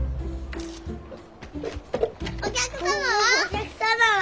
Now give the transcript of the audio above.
お客様は？